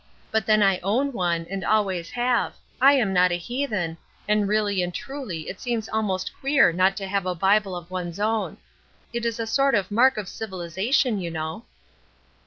But then I own one, and always have. I am not a heathen; and really and truly it seems almost queer not to have a Bible of one's own. It is a sort of mark of civilization, you know."